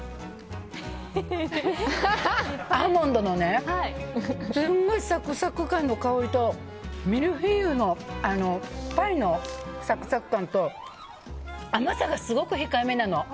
アーモンドのすごいサクサク感の香りとミルフィーユのパイのサクサク感と甘さがすごく控えめなの。